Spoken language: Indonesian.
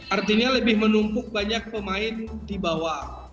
artinya lebih menumpuk banyak pemain di bawah